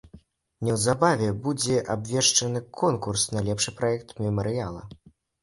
Неўзабаве будзе абвешчаны конкурс на лепшы праект мемарыяла.